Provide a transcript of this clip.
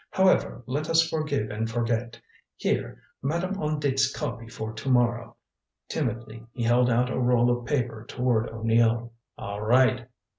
However, let us forgive and forget. Here Madame On Dit's copy for to morrow." Timidly he held out a roll of paper toward O'Neill. "All right."